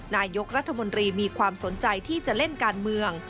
นายกรัฐมนตรีมีความสนใจที่จะเล่นการเมือง